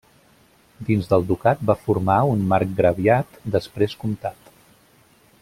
Dins del ducat va formar un marcgraviat després comtat.